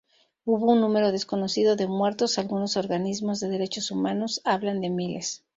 Hubo un número desconocido de muertos, algunos organismos de Derechos Humanos hablan de miles.